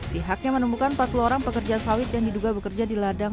pihaknya menemukan empat puluh orang pekerja sawit yang diduga bekerja di ladang